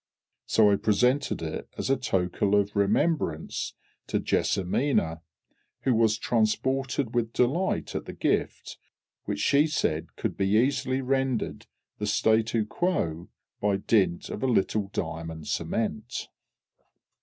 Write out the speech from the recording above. So I presented it as a token of remembrance to JESSIMINA, who was transported with delight at the gift, which she said could be easily rendered the statu quo by dint of a little diamond cement.